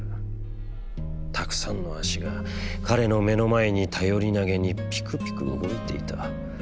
たくさんの足が彼の目の前に頼りなげにぴくぴく動いていた。